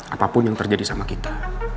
apapun yang terjadi sama kita